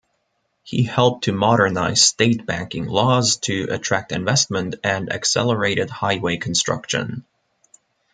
He helped to modernize state banking laws to attract investment and accelerated highway construction.